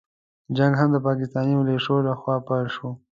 جنګ هم د پاکستاني مليشو له خوا پيل شو.